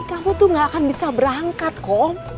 kamu tuh nggak akan bisa berangkat kom